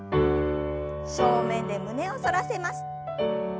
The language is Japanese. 正面で胸を反らせます。